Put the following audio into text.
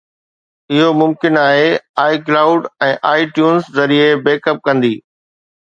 اهو ممڪن آهي iCloud ۽ iTunes ذريعي بيڪ اپ ڪندي